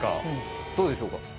どうでしょうか？